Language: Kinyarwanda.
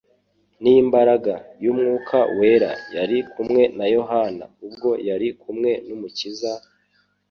n'imbaraga y'Umwuka wera yari kumwe na Yohana ubwo yari kumwe n'Umukiza;